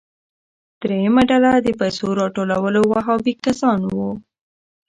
دریمه ډله د پیسو راټولولو وهابي کسان وو.